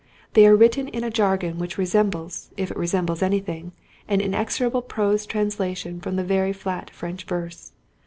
They are written in a jargon which resembles, if it resembles anything, an execrable prose translation from very flat French verse.